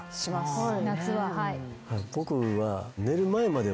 僕は。